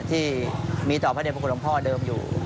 ที่มีต่อพระเด็พระคุณหลวงพ่อเดิมอยู่